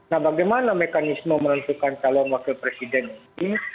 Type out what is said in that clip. nah bagaimana mekanisme menentukan calon wakil presiden ini